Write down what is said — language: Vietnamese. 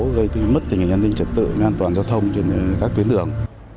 gây mất tình hình an ninh trật tự an toàn giao thông trên các tuyến đường